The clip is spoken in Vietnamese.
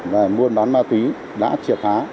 về mua bán ma túy đã triệt há